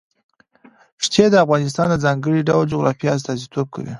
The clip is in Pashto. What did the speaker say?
ښتې د افغانستان د ځانګړي ډول جغرافیه استازیتوب کوي.